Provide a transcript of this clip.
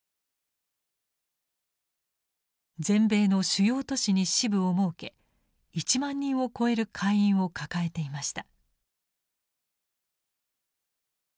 全米の主要都市に支部を設け１万人を超える会員を抱えていました。